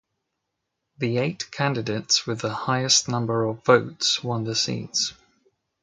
The eight candidates with the highest number of votes won the seats.